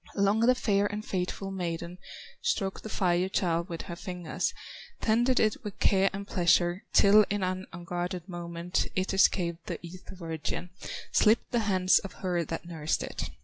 Long the fair and faithful maiden Stroked the Fire child with her fingers, Tended it with care and pleasure, Till in an unguarded moment It escaped the Ether virgin, Slipped the hands of her that nursed it.